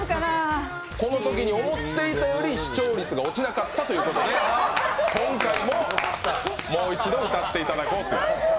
このときに思っていたより視聴率が落ちなかったということで今回ももう一度、歌っていただこうと。